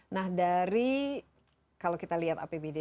nah dari kalau kita lihat apbd di samarinda